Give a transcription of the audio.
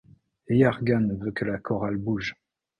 Jurgen veut que la chorale bouge.